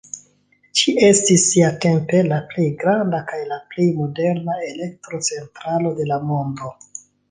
Ĝi estis siatempe la plej granda kaj plej moderna elektrocentralo de la mondo.